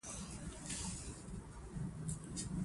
د احمدشاه بابا نوم د افغان ملت په زړونو کې ژوندي دی.